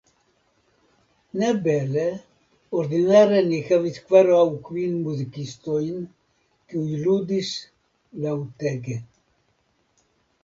Ne bele, ordinare ni havis kvar aŭ kvin muzikistojn, kiuj ludis laŭtege.